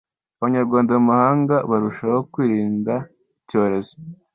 abanyarwanda mumahanga barushaho kwirimda icyorezo